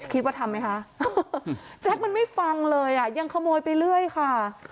คิดว่าทำไหมคะแจ๊คมันไม่ฟังเลยอ่ะยังขโมยไปเรื่อยค่ะ